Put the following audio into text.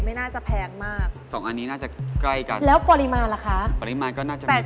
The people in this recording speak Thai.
ไม่น่าจะแพงมากสองอันนี้น่าจะใกล้กันแล้วปริมาณล่ะคะปริมาณก็น่าจะมี